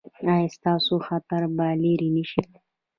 ایا ستاسو خطر به لرې نه شي؟